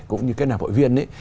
cũng như cái nào bội viên ấy